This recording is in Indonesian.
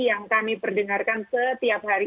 yang kami perdengarkan setiap hari